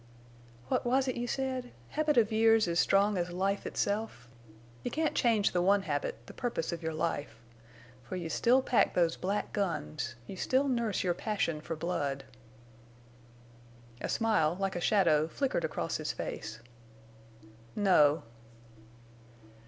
"What was it you said? Habit of years is strong as life itself! You can't change the one habit—the purpose of your life. For you still pack those black guns! You still nurse your passion for blood." A smile, like a shadow, flickered across his face. "No."